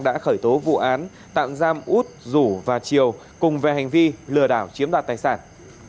đã khởi tố vụ án tạm giam út rủ và chiều cùng về hành vi lừa đảo chiếm đoạt tài sản